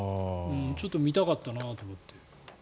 ちょっと見たかったなと思って。